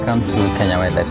cảm ơn các bạn